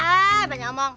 ah banyak omong